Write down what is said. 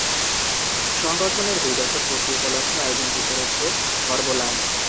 সংগঠনের দুই দশক পূর্তি উপলক্ষে আয়োজনটি করেছে হরবোলা।